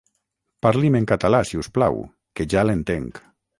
Parli'm en català, si us plau, que ja l'entenc.